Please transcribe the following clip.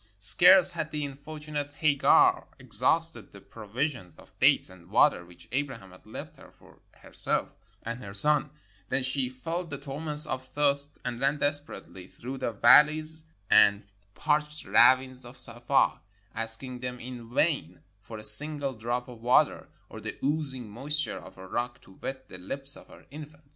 Scarce had the unfortunate Hagar exhausted the pro visions of dates and water which Abraham had left her for herself and her son, than she felt the torments of thirst and ran desperately through the valleys and parched ravines of Safa, asking them in vain for a single drop of water or the oozing moisture of a rock to wet the lips of her infant.